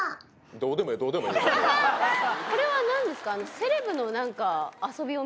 これは何ですか？